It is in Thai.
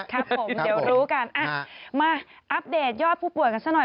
ครับผมเดี๋ยวรู้กันมาอัปเดตยอดผู้ป่วยกันซะหน่อย